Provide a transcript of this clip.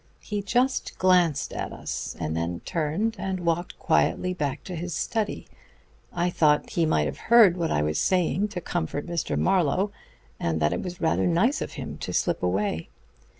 He just glanced at us, and then turned and walked quietly back to his study. I thought he might have heard what I was saying to comfort Mr. Marlowe, and that it was rather nice of him to slip away.